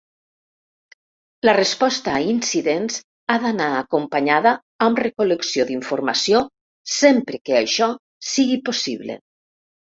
La resposta a incidents ha d'anar acompanyada amb recol·lecció d'informació sempre que això sigui possible.